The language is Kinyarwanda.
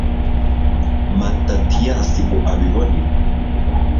matatiyasi ngo abibone